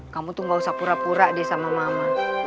kamu tuh gak usah pura pura deh sama mama